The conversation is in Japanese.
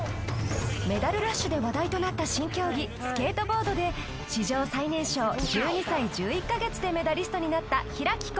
メダルラッシュで話題となった新競技スケートボードで史上最年少１２歳１１カ月でメダリストになった開心